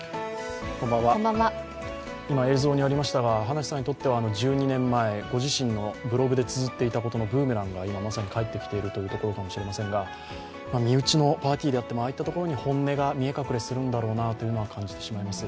葉梨さんにとっては１２年前、ご自身のブログでつづっていたことのブーメランが今まさに帰ってきているというところかもしれませんが、身内のパーティーであってもああいったところに本音が見え隠れするんだろうなということを思います。